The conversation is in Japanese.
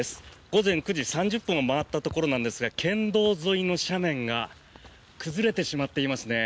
午前９時３０分を回ったところなんですが県道沿いの斜面が崩れてしまっていますね。